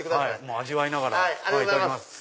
味わいながらいただきます。